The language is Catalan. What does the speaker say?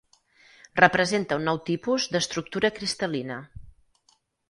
Representa un nou tipus d'estructura cristal·lina.